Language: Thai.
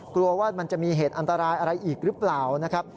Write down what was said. กลัวว่ามันจะมีเหตุอันตรายอะไรอีกหรือเปล่านะครับ